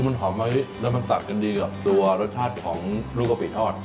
มันหอมไหมแล้วมันสับกันดีกับตัวรสชาติของลูกกะปิทอด